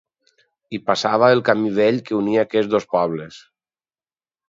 Hi passava el camí vell que unia aquests dos pobles.